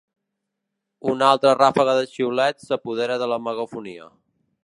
Una altra ràfega de xiulets s'apodera de la megafonia.